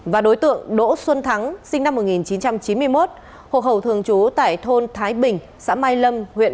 và đối tượng đỗ xuân thắng sinh năm một nghìn chín trăm chín mươi một hộ khẩu thường trú tại thôn thái bình xã mai lâm